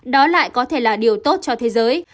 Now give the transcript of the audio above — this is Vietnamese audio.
đó lại có thể là điều tốt cho thế giới